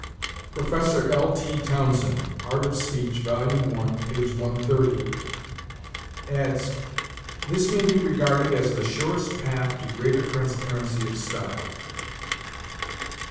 Professor L. T. Townsend, "Art of Speech," vol. i, p. 130, adds: "This may be regarded as the surest path to greater transparency of style."